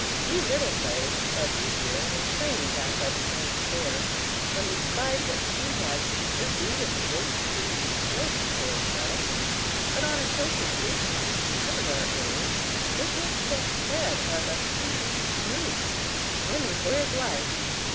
We little fellows, as usual, were playing down by the sandy shore, when we spied what seemed like the root of a great tree floating toward us. But on a closer scrutiny we discovered our error. It was the head of a huge moose, swimming for his life!